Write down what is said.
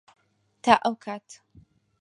تا ئەو کات.